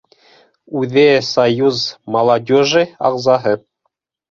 Үҙе союз молодежи ағзаһы.